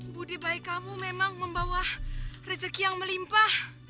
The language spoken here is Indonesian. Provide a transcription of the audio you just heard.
budi baik kamu memang membawa rezeki yang melimpah